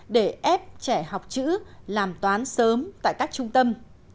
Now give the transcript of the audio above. để ép trẻ học chữ làm toán sớm tại các trung tâm